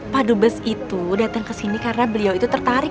pak dubes itu datang ke sini karena beliau itu tertarik